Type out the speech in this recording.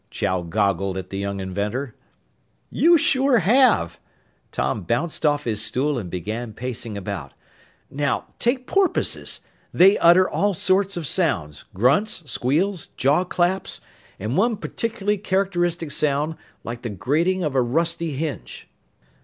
Chow goggled at the young inventor. "You sure have!" Tom bounced off his stool and began pacing about. "Now, take porpoises. They utter all sorts of sounds grunts, squeals, jawclaps and one particularly characteristic sound, like the grating of a rusty hinge."